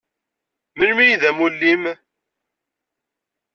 Melmi i d amulli-im?